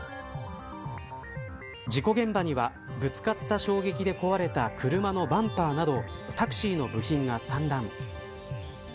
事故現場にはぶつかった衝撃で壊れた車のバンパーなどタクシーの部品が散乱。